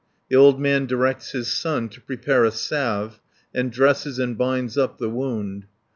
The old man directs his son to prepare a salve, and dresses and binds up the wound.